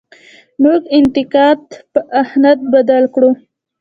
موږ انتقاد په اهانت بدل کړو.